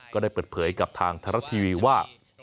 ก็ได้เปิดเผยกับทางไทยรัฐทีวีว่า